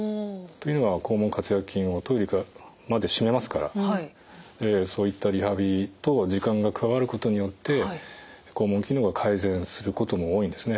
というのは肛門括約筋をトイレまで締めますからそういったリハビリと時間が加わることによって肛門機能が改善することも多いんですね。